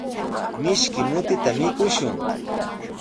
Mishki mutita mikushun.